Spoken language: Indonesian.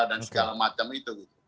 dan segala macam itu